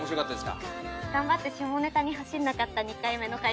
頑張って下ネタに走らなかった２回目の回答。